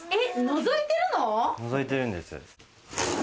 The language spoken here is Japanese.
のぞいてるんです。